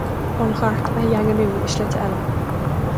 An Chairt a dhaingniú i slite eile.